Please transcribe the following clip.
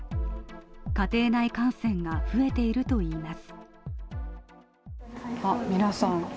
家庭内感染が増えているといいます。